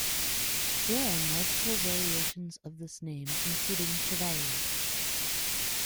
There are multiple variations of this name, including Chevalier.